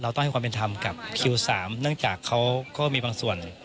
ต้องให้ความเป็นธรรมกับคิว๓เนื่องจากเขาก็มีบางส่วน